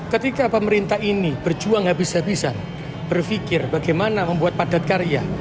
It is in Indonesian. ketika pemerintah ini berjuang habis habisan berpikir bagaimana membuat padat karya